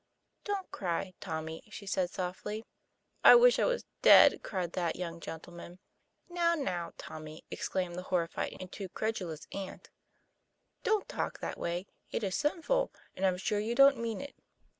"Don't cry, Tommy," she said softly. "I wish I was dead," cried that young gentleman. " Now, now, Tommy," exclaimed the horrified and too credulous aunt, "don't talk that way: it is sin ful, and I'm sure you don't mean it."